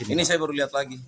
ini saya baru lihat lagi